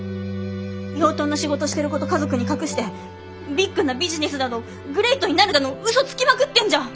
養豚の仕事してること家族に隠してビッグなビジネスだのグレイトになるだのウソつきまくってんじゃん！